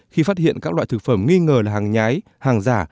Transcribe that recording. khi phát hiện các loại thực phẩm nghi ngờ là hàng nhái hàng giả